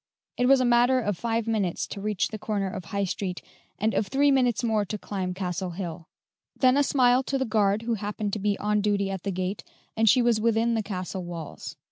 It was a matter of five minutes to reach the corner of High Street, and of three minutes more to climb Castle Hill; then a smile to the guard who happened to be on duty at the gate, and she was within the castle walls.